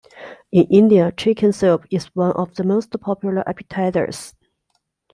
In India chicken soup is one of the most popular appetizers.